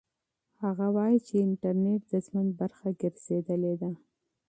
هغه وایي چې انټرنيټ د ژوند برخه ګرځېدلې ده.